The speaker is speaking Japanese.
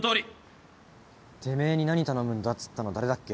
てめえに何頼むんだっつったの誰だっけ？